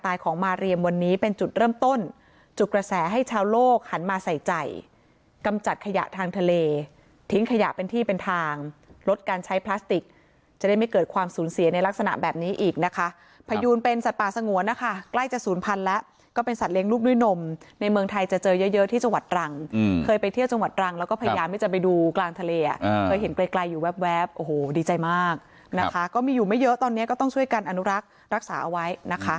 ทรัพยากรทางทะเลทิ้งขยะเป็นที่เป็นทางลดการใช้พลาสติกจะได้ไม่เกิดความสูญเสียในลักษณะแบบนี้อีกนะคะพยูนเป็นสัตว์ป่าสงวนนะคะใกล้จะศูนย์พันธุ์แล้วก็เป็นสัตว์เลี้ยงลูกด้วยนมในเมืองไทยจะเจอเยอะเยอะที่จังหวัดรังอืมเคยไปเที่ยวจังหวัดรังแล้วก็พยายามไม่จะไปดูกลางทะเลอ่ะอ่าเคยเห